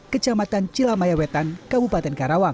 kecamatan cilamaya wetan kabupaten karawang